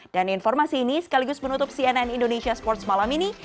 dan informasi ini sekaligus menutup cnn indonesia sports malam ini